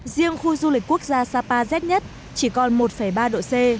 riêng khu du lịch quốc gia sapa rét nhất chỉ còn một ba độ c